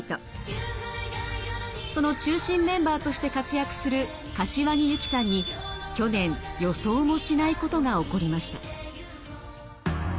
その中心メンバーとして活躍する柏木由紀さんに去年予想もしないことが起こりました。